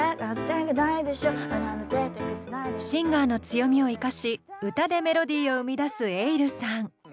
シンガーの強みを生かし歌でメロディーを生み出すｅｉｌｌさん。